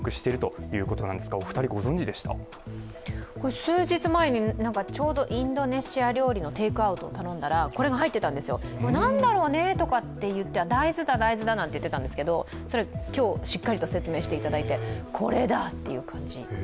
数日前にちょうどインドネシア料理のテイクアウトを頼んだらこれが入ってたんですよ、何だろうねって言ってたんですけど大豆だ、大豆だなんて入ってたんですけど、今日、説明していただいてこれだ！っていう感じ。